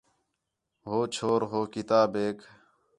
ہوچ چھور ہو کتابیک